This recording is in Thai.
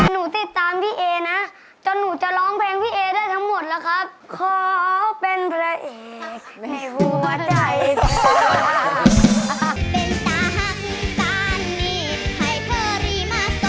หนูติดตามพี่เอนะจนหนูจะร้องเพลงพี่เอได้ทั้งหมดแล้วครับ